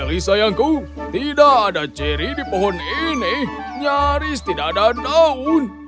kali sayangku tidak ada ceri di pohon ini nyaris tidak ada daun